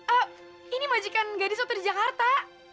eh ini majikan gadis waktu di jakarta